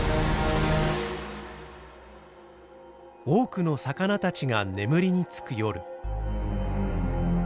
多くの魚たちが眠りにつく夜。